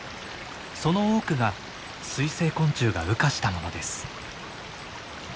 その多くが水生昆虫が羽化したものです。